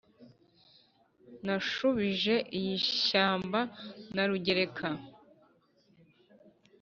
Nashubije iy'ishyamba na Rugereka